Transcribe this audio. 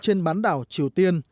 trên bán đảo triều tiên